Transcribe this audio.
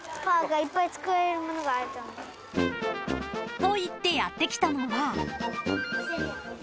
［と言ってやって来たのは］